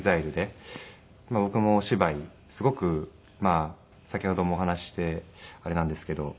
僕もお芝居すごく先ほどもお話ししてあれなんですけど。